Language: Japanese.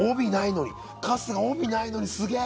春日、帯ないのにすげえ！